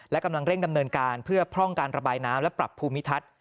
และกำลังเร่งดำเนินการเพื่อพร่องการระบายน้ำและปรับภูมิทัศน์